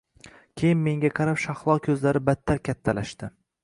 keyin menga qarab shahlo ko`zlari battar kattalashdi